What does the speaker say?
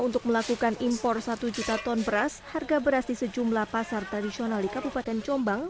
untuk melakukan impor satu juta ton beras harga beras di sejumlah pasar tradisional di kabupaten jombang